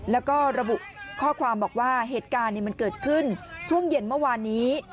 แล้วก็ระบุข้อความบอกว่าเหตุการณ์มันเกิดขึ้นช่วงเย็นเมื่อวานนี้